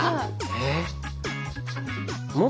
えっ？